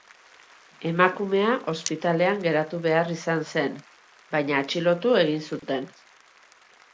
Emakumea ospitalean geratu behar izan zen, baina atxilotu egin zuten.